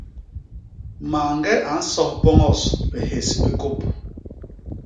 Mañge a nsos poños bihés bi kôp.